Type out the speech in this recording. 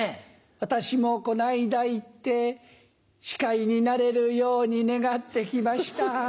私もこの間行って司会になれるように願って来ました。